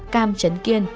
cam trấn kiên